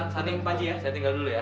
sani panji ya saya tinggal dulu ya